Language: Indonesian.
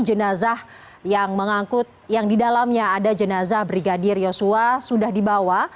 jenazah yang mengangkut yang didalamnya ada jenazah brigadir yosua sudah dibawa